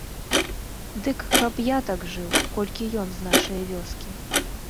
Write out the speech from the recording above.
Ды каб я так жыў, колькі ён з нашае вёскі.